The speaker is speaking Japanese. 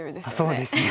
そうですね。